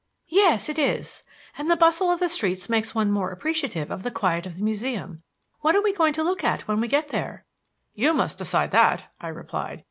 "Yes, it is; and the bustle of the streets makes one more appreciative of the quiet of the Museum. What are we going to look at when we get there?" "You must decide that," I replied.